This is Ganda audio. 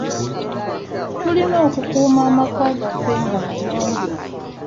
Tulina okukuuma amaka gaffe nga mayonjo.